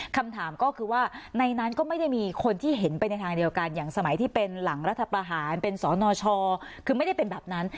คำถามก็คือว่าในนั้นก็ไม่ได้มีคนที่เห็นไปในทางเดียวกันอย่างสมัยที่เป็นหลังรัฐประหารเป็นสนชคือไม่ได้เป็นแบบนั้น